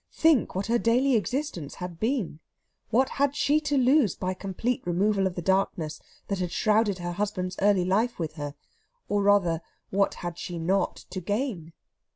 Think what her daily existence had been! What had she to lose by a complete removal of the darkness that had shrouded her husband's early life with her or rather, what had she not to gain?